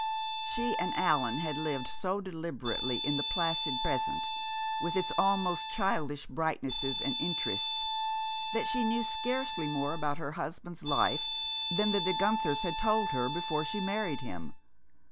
She and Allan had lived so deliberately in the placid present, with its almost childish brightnesses and interests, that she knew scarcely more about her husband's life than the De Guenthers had told her before she married him.